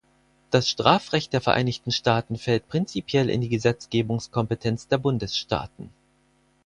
Das Strafrecht der Vereinigten Staaten fällt prinzipiell in die Gesetzgebungskompetenz der Bundesstaaten.